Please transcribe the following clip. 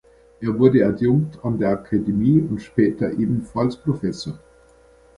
Er wurde Adjunkt an der Akademie und später ebenfalls Professor.